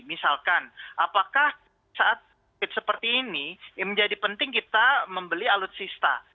misalkan apakah saat covid seperti ini menjadi penting kita membeli alutsista